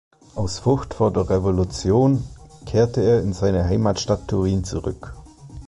Aus Furcht vor der Revolution kehrte er in seine Heimatstadt Turin zurück.